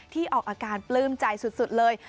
ออกอาการปลื้มใจสุดเลย